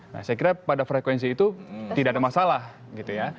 nah saya kira pada frekuensi itu tidak ada masalah gitu ya